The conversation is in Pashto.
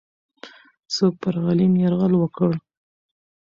څوک پر غلیم یرغل وکړ؟